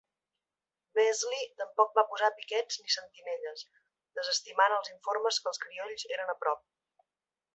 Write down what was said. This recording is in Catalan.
Beasley tampoc va posar piquets ni sentinelles, desestimant els informes que els criolls eren a prop.